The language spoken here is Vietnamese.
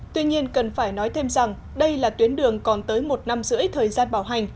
tuy nhiên cần phải nói thêm rằng đây là tuyến đường còn tới một năm rưỡi thời gian bảo hành